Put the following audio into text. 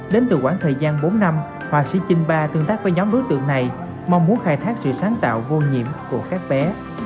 đến từ khoảng thời gian bốn năm họa sĩ chinh ba tương tác với nhóm đối tượng này mong muốn khai thác sự sáng tạo vô nhiễm của các bé